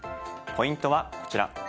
ポイントはこちら。